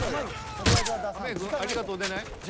とりあえずは出さんと。